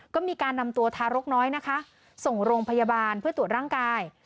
ก็มีการนำตัวทารกน้อยนะคะส่งโรงพยาบาลเพื่อตรวจร่างกาย